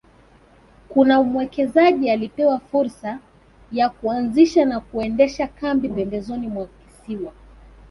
Kuna mwekezaji alipewa fursa ya kuanzisha na kuendesha kambi pembezoni mwa kisiwa